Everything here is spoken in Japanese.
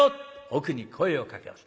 奥に声をかけます。